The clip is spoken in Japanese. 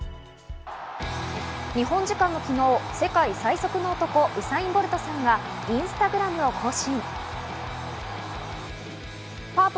日本時間の昨日、世界最速の男、ウサイン・ボルトさんがインスタグラムを更新。